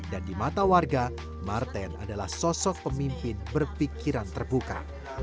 dan di mata warga marten adalah sosok pemimpin berpikiran terbuka